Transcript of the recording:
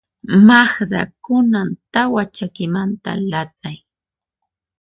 Magda, kunan tawa chakimanta lat'ay.